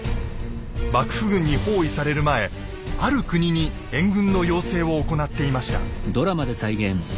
幕府軍に包囲される前ある国に援軍の要請を行っていました。